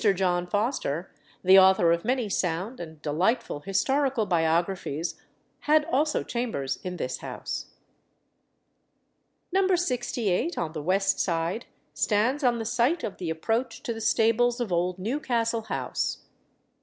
John Foster, the author of many sound and delightful historical biographies, had also chambers in this house. No. 68, on the west side, stands on the site of the approach to the stables of old Newcastle House.